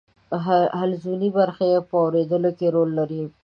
حلزوني برخه یې په اوریدلو کې رول لري.